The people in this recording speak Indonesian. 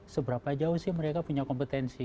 seberapa jauh sih mereka punya kompetensi